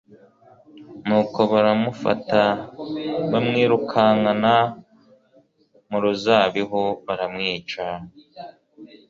Nuko baramufata, bamwirukana mu ruzabibu, baramwica.